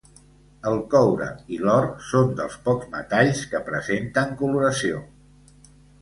El coure i l'or són dels pocs metalls que presenten coloració.